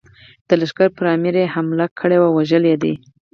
د لښکر پر امیر یې حمله کړې او وژلی دی.